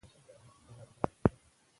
شاه حسین د صفوي خاندان وروستی کمزوری غړی و.